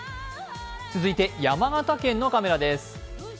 続いて山形県のカメラです。